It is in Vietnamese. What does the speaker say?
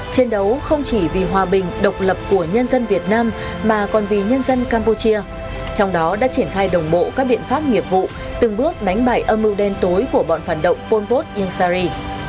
chiến đấu không chỉ vì hòa bình độc lập của nhân dân việt nam mà còn vì nhân dân campuchia trong đó đã triển khai đồng bộ các biện pháp nghiệp vụ từng bước đánh bại âm mưu đen tối của bọn phản động pol pot yung sari